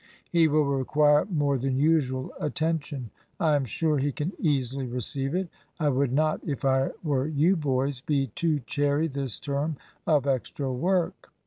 He will require more than usual attention. I am sure he can easily receive it. I would not, if I were you boys, be too chary this term of extra work.